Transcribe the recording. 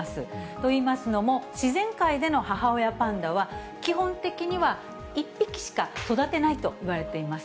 といいますのも、自然界での母親パンダは、基本的には１匹しか育てないといわれています。